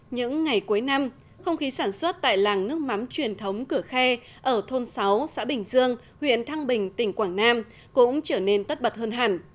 những ngày cuối năm không khí sản xuất tại làng nước mắm truyền thống cửa khe ở thôn sáu xã bình dương huyện thăng bình tỉnh quảng nam cũng trở nên tất bật hơn hẳn